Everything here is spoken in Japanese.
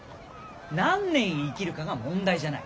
何年生きるかが問題じゃない。